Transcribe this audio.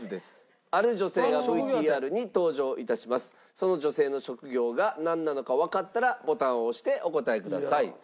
その女性の職業がなんなのかわかったらボタンを押してお答えください。